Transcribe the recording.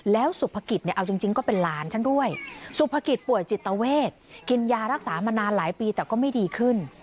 แล้วสุภกิจเนี่ยเอาจริงก็เป็นหลานฉันด้วยสุภกิจป่วยจิตเวทกินยารักษามานานหลายปีแต่ก็ไม่ดีขึ้น